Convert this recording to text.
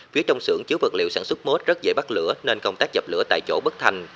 phía trong xưởng chứa vật liệu sản xuất mốt rất dễ bắt lửa nên công tác dập lửa tại chỗ bất thành